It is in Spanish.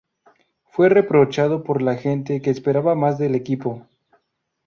Fue reprochado por la gente que esperaba más del equipo.